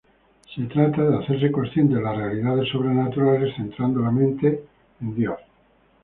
Se trata de hacerse consciente de las realidades sobrenaturales, centrando la mente en Dios.